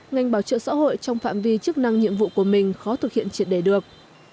ngành bảo trợ xã hội trong phạm vi chức năng nhiệm vụ của mình khó thực hiện triệt đề được